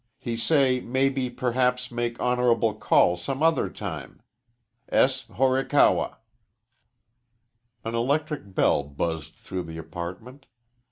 He say maybe perhaps make honorable call some other time. S. HORIKAWA An electric bell buzzed through the apartment.